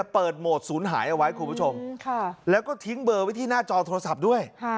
โหมดศูนย์หายเอาไว้คุณผู้ชมแล้วก็ทิ้งเบอร์ไว้ที่หน้าจอโทรศัพท์ด้วย